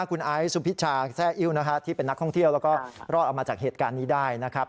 คุณไอซ์สุพิชาแซ่อิ้วนะฮะที่เป็นนักท่องเที่ยวแล้วก็รอดออกมาจากเหตุการณ์นี้ได้นะครับ